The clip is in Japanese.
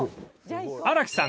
［荒木さん